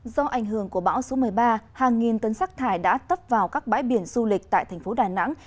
do ảnh hưởng của bão số một mươi ba hàng nghìn tấn sắc thải đã tấp vào các bãi biển du lịch tại thành phố đà nẵng